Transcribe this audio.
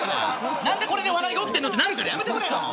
何でこれで笑いが起きてるのってなるから、やめてくれよ。